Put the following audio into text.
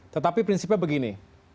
tetapi prinsipnya begini